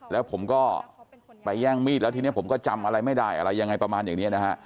แล้วผมก็ไปแย่งมีดแล้วทีนี้ผมก็จำอะไรไม่ได้อะไรยังไงประมาณอย่างนี้นะฮะ